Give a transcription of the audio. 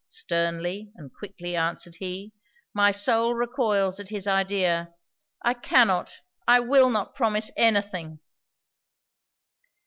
sternly and quickly answered he 'my soul recoils at his idea! I cannot, I will not promise any thing!'